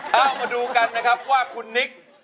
เข้ามาดูกันนะครับว่าคุณนิก